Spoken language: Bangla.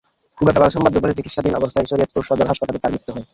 গতকাল সোমবার দুপুরে চিকিৎসাধীন অবস্থায় শরীয়তপুর সদর হাসপাতালে তাঁর মৃত্যু হয়।